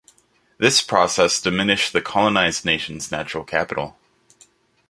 This process diminished the colonised nation's natural capital.